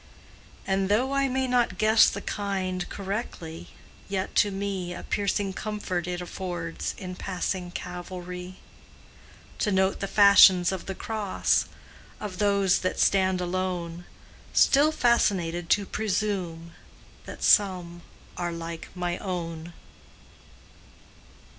And though I may not guess the kind Correctly, yet to me A piercing comfort it affords In passing Calvary, To note the fashions of the cross, Of those that stand alone, Still fascinated to presume That some are like my own.